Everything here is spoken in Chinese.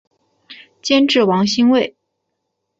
监制王心慰。